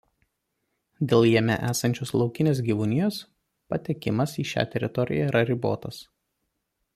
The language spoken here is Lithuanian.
Dėl jame esančios laukinės gyvūnijos patekimas į šią teritoriją yra ribotas.